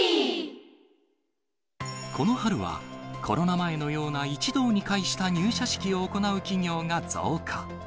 この春は、コロナ前のような一堂に会した入社式を行う企業が増加。